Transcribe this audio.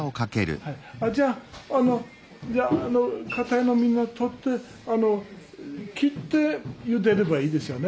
じゃああのじゃあかたいのみんな取ってあの切ってゆでればいいですよね？